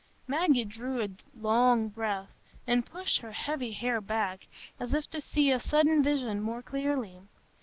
Maggie drew a long breath and pushed her heavy hair back, as if to see a sudden vision more clearly.